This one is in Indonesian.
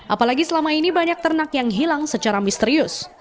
apalagi selama ini banyak ternak yang hilang secara misterius